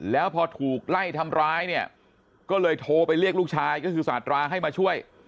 แล้วพอถูกไล่ทำร้ายเนี่ยก็เลยโทรไปเรียกลูกชายก็คือสาธาราให้มาช่วย